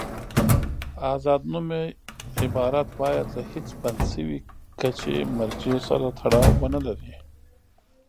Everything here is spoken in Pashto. آزاد نومي عبارت باید له هېڅ بند شوي کچې مرجع سره تړاو ونلري.